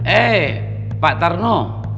eh pak tarno